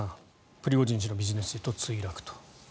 プリゴジン氏のビジネスジェット墜落と。